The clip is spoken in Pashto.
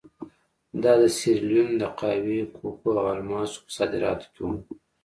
دا د سیریلیون د قهوې، کوکو او الماسو په صادراتو کې وو.